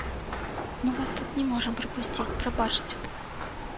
Мы вас тут не можам прапусціць, прабачце.